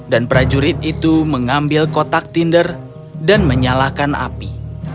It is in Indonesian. dan prajurit itu mengambil kotak tinder dan menyalakan api